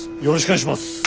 よろしくお願いします！